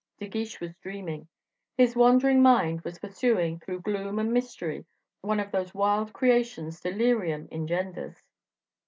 De Guiche was dreaming. His wandering mind was pursuing, through gloom and mystery, one of those wild creations delirium engenders.